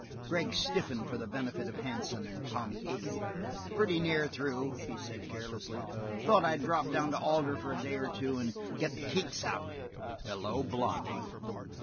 Gregg stiffened for the benefit of Hansen and Tommy Aiken. "Pretty near through," he said carelessly. "Thought I'd drop down to Alder for a day or two and get the kinks out. Hello, Blondy.